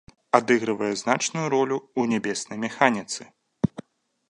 Адыгрывае значную ролю ў нябеснай механіцы.